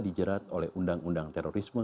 dijerat oleh undang undang terorisme